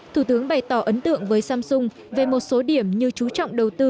thủ tướng bày tỏ ấn tượng với samsung về một số điểm như chú trọng đầu tư